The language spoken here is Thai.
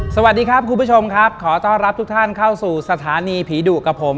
สวัสดีครับคุณผู้ชมครับขอต้อนรับทุกท่านเข้าสู่สถานีผีดุกับผม